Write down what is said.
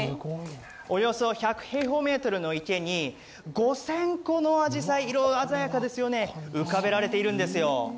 およそ１００平方メートルの池に５０００個のあじさい、色鮮やかですよね浮かべられてるんですよ。